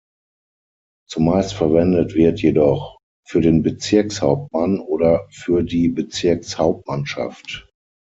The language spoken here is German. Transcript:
Zumeist verwendet wird jedoch: "Für den Bezirkshauptmann" oder "Für die Bezirkshauptmannschaft".